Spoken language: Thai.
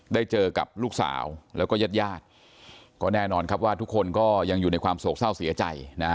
ได้เจอกับลูกสาวแล้วก็ญาติญาติก็แน่นอนครับว่าทุกคนก็ยังอยู่ในความโศกเศร้าเสียใจนะฮะ